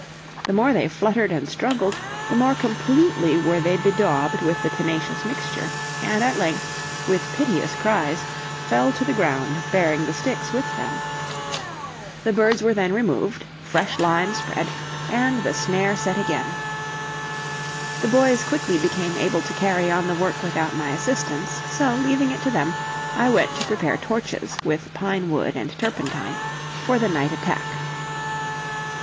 The more they fluttered and struggled, the more completely were they bedaubed with the tenacious mixture, and at length, with piteous cries, fell to the ground, bearing the sticks with them. The birds were then removed, fresh lime spread, and the snare set again. The boys quickly became able to carry on the work without my assistance; so, leaving it to them, I went to prepare torches, with pine wood and turpentine, for the night attack.